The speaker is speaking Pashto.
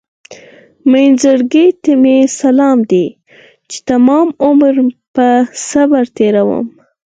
مين زړګي ته مې سلام دی چې تمامي عمر په صبر تېرومه